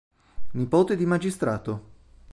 Nipote di magistrato.